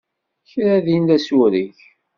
Kra din d asureg.